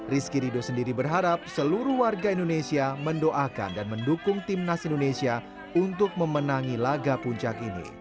rizky rido sendiri berharap seluruh warga indonesia mendoakan dan mendukung timnas indonesia untuk memenangi laga puncak ini